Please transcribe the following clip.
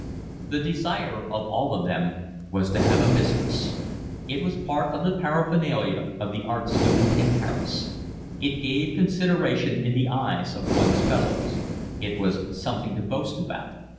The desire of all of them was to have a mistress. It was part of the paraphernalia of the art student in Paris. It gave consideration in the eyes of one's fellows. It was something to boast about.